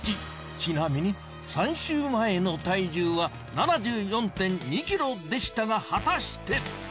ちなみに３週前の体重は７４．２ｋｇでしたが果たして？